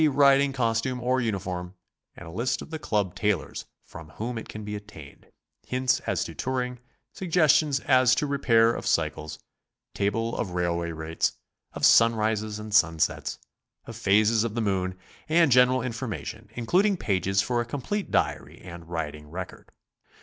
C. riding cos tume or uniform and a list of the Club tailors from whom it can be obtained; hints as to touring, suggestions as to repair of cycles; table of railway rates; of sunrises and sunsets; of phases of the moon; and general information, including pages for a complete diary and riding record.